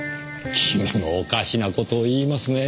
君もおかしな事を言いますねぇ。